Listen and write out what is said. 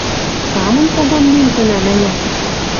Самынь кого лин тӹнӓм, ӓнят?